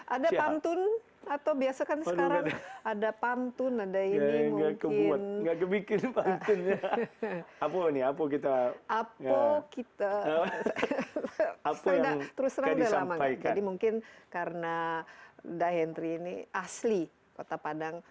ada pantun atau biasakan ada pantun ada ini mungkin